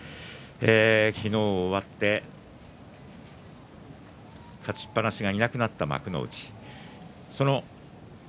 昨日、終わって勝ちっぱなしがいなくなった幕内。